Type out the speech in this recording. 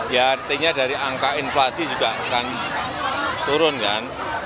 ya artinya dari angka inflasi juga akan turun kan